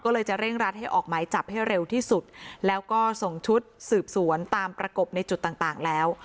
ก็เลยจะเร่งรัดให้ออกหมายจับให้เร็วที่สุดแล้วก็ส่งชุดสืบสวนตามประกบในจุดต่างต่างแล้ว